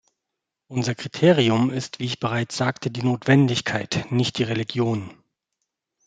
Unser Kriterium ist wie ich bereits sagte die Notwendigkeit, nicht die Religion.